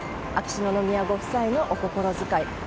秋篠宮ご夫妻のお心遣い。